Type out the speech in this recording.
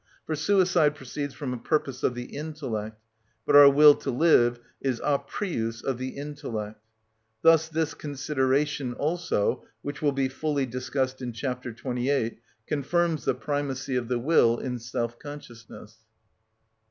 For suicide proceeds from a purpose of the intellect, but our will to live is a prius of the intellect. Thus this consideration also, which will be fully discussed in chapter 28, confirms the primacy of the will in self consciousness.